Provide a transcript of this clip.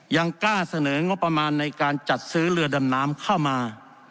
ยังกล้าเสนองบประมาณในการจัดซื้อเรือดำน้ำเข้ามา